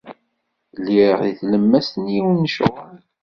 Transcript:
Lliɣ deg tlemmast n yiwen n ccɣel.